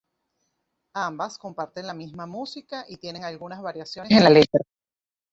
Ambas comparten la misma música y tienen algunas variaciones en la letra.